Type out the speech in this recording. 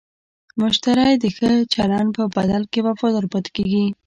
مشتری د ښه چلند په بدل کې وفادار پاتې کېږي.